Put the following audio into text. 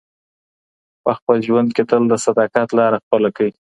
په خپل ژوند کي تل د صداقت لاره خپله کړئ.